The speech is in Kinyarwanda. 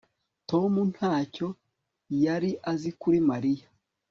Tom ntacyo yari azi kuri Mariya